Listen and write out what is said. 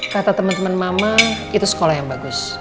kata temen temen mama itu sekolah yang bagus